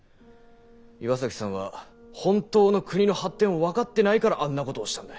岩崎さんは本当の国の発展を分かってないからあんなことをしたんだ。